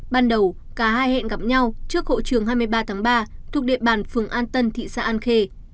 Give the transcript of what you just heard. ban đầu cả hai hẹn gặp nhau trước hộ trường hai mươi ba tháng ba thuộc địa bàn phường an tân thị xã an khê